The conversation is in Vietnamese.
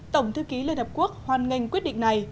tổng thư ký liên hợp quốc hoan nghênh quyết định này